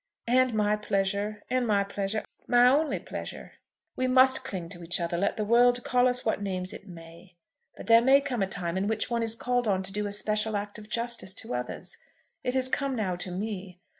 "And my pleasure; and my pleasure, my only pleasure." "We must cling to each other, let the world call us what names it may. But there may come a time in which one is called on to do a special act of justice to others. It has come now to me.